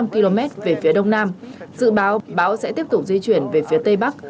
ba trăm chín mươi năm km về phía đông nam dự báo bão sẽ tiếp tục di chuyển về phía tây bắc